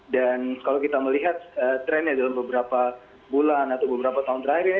dan kalau kita melihat trennya dalam beberapa bulan atau beberapa tahun terakhir ini